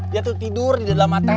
dia tuh tidur di dalam mata